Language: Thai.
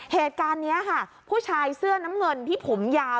เหตุการณ์นี้ค่ะผู้ชายเสื้อน้ำเงินที่ผมยาว